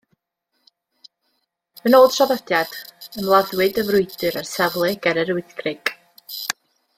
Yn ôl traddodiad, ymladdwyd y frwydr ar safle ger Yr Wyddgrug.